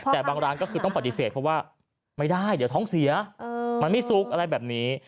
แต่บางร้านก็คือต้องปฏิเสธเพราะว่าไม่ได้เดี๋ยวท้องเสียมันไม่ซุกอะไรแบบนี้